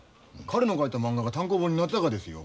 彼の描いたまんがが単行本になったがですよ。